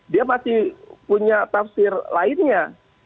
dia masih punya tafsir lainnya